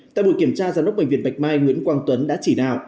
tại buổi kiểm tra giám đốc bệnh viện bạch mai nguyễn quang tuấn đã chỉ đạo